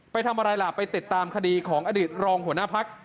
ไปทำอะไรล่ะไปติดตามคดีของอดีตรองหัวหน้าพัก